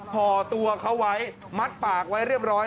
พอตัวเขาไว้มัดปากไว้เรียบร้อย